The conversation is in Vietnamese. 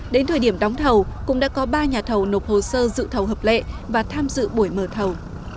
đến thời điểm đóng thầu cũng đã có ba nhà thầu nộp hồ sơ dự thầu hợp lệ và tham dự buổi mở thầu